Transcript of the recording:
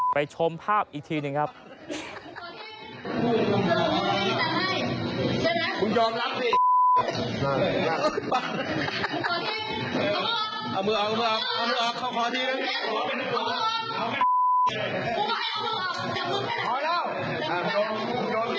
ชมภาพอีกทีหนึ่งครับ